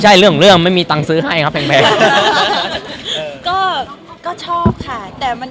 ทั้งแรกมีทั้งแรกมี